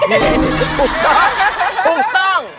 เห็นไหมถูกต้องถูกต้อง